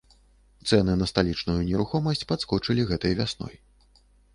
Цэны на сталічную нерухомасць падскочылі гэтай вясной.